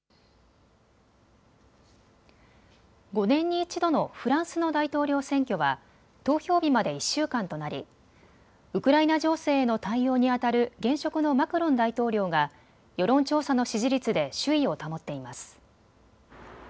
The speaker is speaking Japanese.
５年に一度のフランスの大統領選挙は投票日まで１週間となりウクライナ情勢への対応にあたる現職のマクロン大統領が世論調査の支持率で首位を保っています。